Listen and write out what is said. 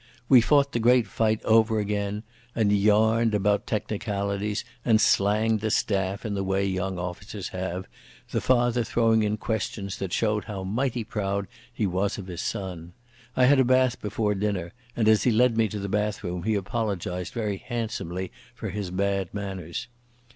We fought the great fight over again, and yarned about technicalities and slanged the Staff in the way young officers have, the father throwing in questions that showed how mighty proud he was of his son. I had a bath before dinner, and as he led me to the bathroom he apologised very handsomely for his bad manners.